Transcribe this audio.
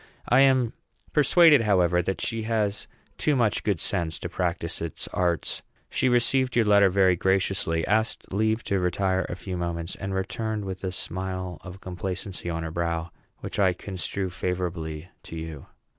I am persuaded, however, that she has too much good sense to practise its arts. She received your letter very graciously, asked leave to retire a few moments, and returned with a smile of complacency on her brow, which I construe favorably to you.